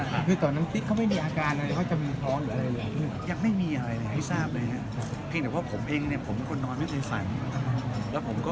ใช่ค่ะคือตอนนั้นติ๊กเขาไม่มีอาการอะไรนะคือเขาจะมีท้องหรืออะไรนะ